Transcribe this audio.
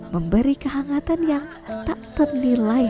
memberi kehangatan yang tak ternilai